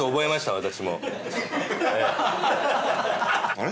あれ？